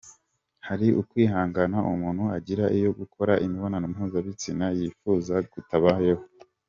Hari ukwihangana umuntu agira iyo gukora imibonano mpuzabitsina yifuzaga kutabayeho.